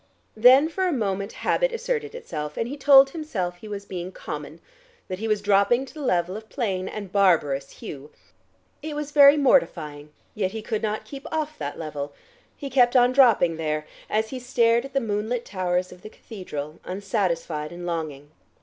Then for a moment habit asserted itself, and he told himself he was being common, that he was dropping to the level of plain and barbarous Hugh. It was very mortifying, yet he could not keep off that level. He kept on dropping there, as he stared at the moonlit towers of the cathedral, unsatisfied and longing.